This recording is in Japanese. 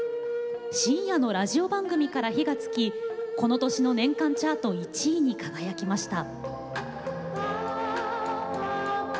深夜のラジオ番組から火がつきこの年の年間チャート１位に輝きました。